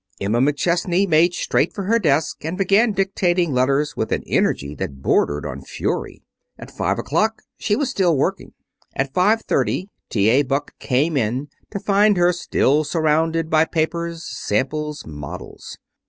Emma McChesney made straight for her desk and began dictating letters with an energy that bordered on fury. At five o'clock she was still working. At five thirty T.A. Buck came in to find her still surrounded by papers, samples, models.